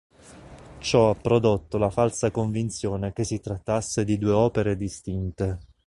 Ciò ha prodotto la falsa convinzione che si trattasse di due opere distinte.